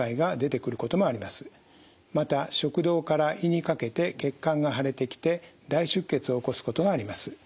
また食道から胃にかけて血管が腫れてきて大出血を起こすことがあります。